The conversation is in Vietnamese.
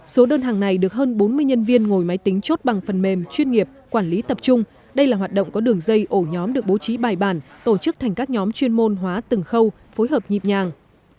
số đơn hàng này được hơn bốn mươi nhân viên ngồi máy tính chốt bằng phần mềm chuyên nghiệp quản lý tập trung đây là hoạt động có đường dây ổ nhóm được bố trí bài bản tổ chức thành các nhóm chuyên môn hóa từng khâu phối hợp nhịp nhàng